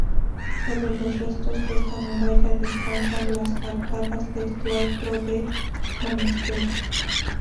Sobre los restos de esta muralla descansan las arcadas del claustro del monasterio.